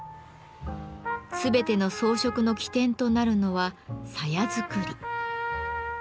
全ての装飾の起点となるのは鞘作り。